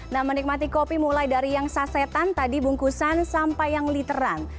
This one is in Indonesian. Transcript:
nah menikmati kopi mulai dari yang sasetan tadi bungkusan sampai yang literan